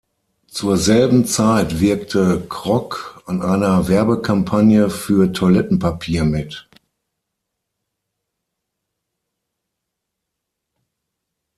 Zur selben Zeit wirkte "Krok" an einer Werbekampagne für Toilettenpapier mit.